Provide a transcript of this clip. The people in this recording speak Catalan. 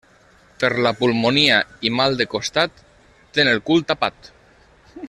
Per la pulmonia i mal de costat ten el cul tapat.